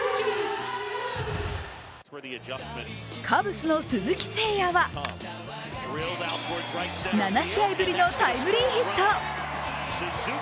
カブスの鈴木誠也は７試合ぶりのタイムリーヒット。